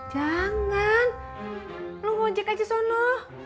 jangan lo ojek aja sana